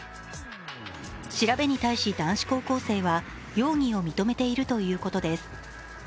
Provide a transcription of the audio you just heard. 調べに対し男子高校生は、容疑を認めているということです。